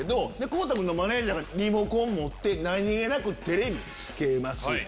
孝太君のマネージャーがリモコン持って何げなくテレビつけます。